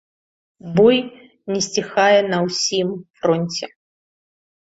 Бой не сціхае на ўсім фронце.